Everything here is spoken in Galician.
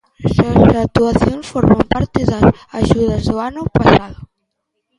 Estas actuacións forman parte das axudas do ano pasado.